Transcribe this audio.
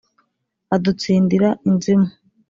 adutsindira inzimu